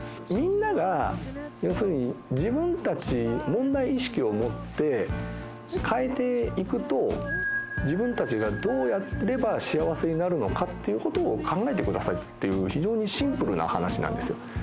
みんなが要するに自分たち問題意識を持って変えていくと自分たちがどうやれば幸せになるのかっていうことを考えてくださいっていう非常にシンプルな話なんですよ。